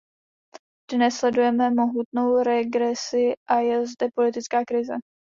Dnes sledujeme mohutnou regresi a je zde politická krize.